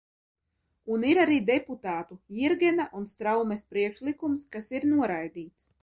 Un ir arī deputātu Jirgena un Straumes priekšlikums, kas ir noraidīts.